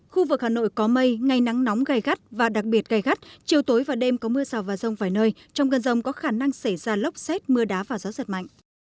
khu vực hà nội có mây ngày nắng nóng gai gắt và đặc biệt gai gắt chiều tối và đêm có mưa rào và rông vài nơi trong gần rông có khả năng xảy ra lốc xét mưa đá và gió giật mạnh